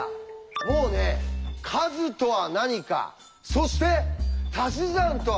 もうね「数」とは何かそして「たし算」とは何か。